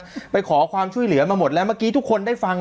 ไปขอความช่วยเหลือมาหมดแล้วเมื่อกี้ทุกคนได้ฟัง